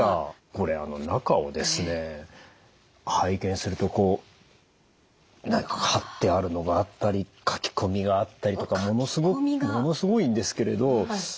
これ中をですね拝見するとこう貼ってあるのがあったり書き込みがあったりとかものすごいんですけれど。